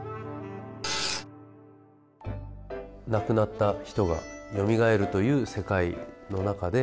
亡くなった人がよみがえるという世界の中で。